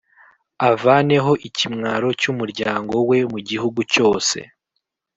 avaneho ikimwaro cy’umuryango we, mu gihugu cyose.